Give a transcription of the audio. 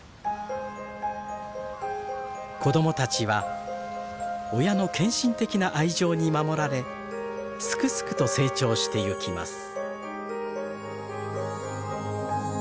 子供たちは親の献身的な愛情に守られスクスクと成長してゆきます。